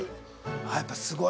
あやっぱすごい！